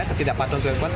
ketidakpatuhan tuyuk kuat